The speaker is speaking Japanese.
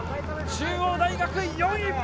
中央大学４位。